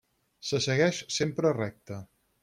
Se segueix sempre recte.